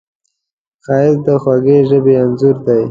ښایست د خوږې ژبې انځور دی